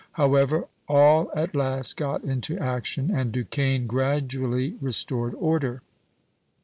However, all at last got into action (B, B, B), and Duquesne gradually restored order.